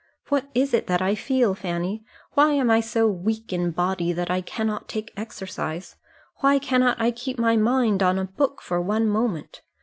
"What is it that I feel, Fanny? Why am I so weak in body that I cannot take exercise? Why cannot I keep my mind on a book for one moment?